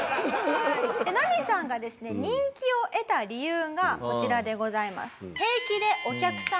ナミさんが人気を得た理由がこちらでございます。